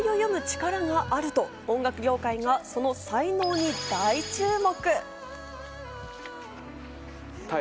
時代を読む力があると音楽業界がその才能に大注目。